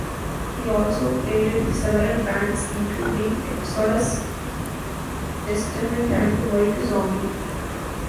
He also played with several bands including: Exodus, Testament and White Zombie.